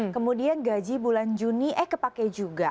kemudian gaji bulan juni eh kepake juga